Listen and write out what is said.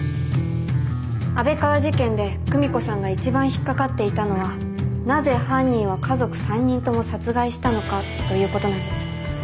安倍川事件で久美子さんが一番引っ掛かっていたのはなぜ犯人は家族３人とも殺害したのかということなんです。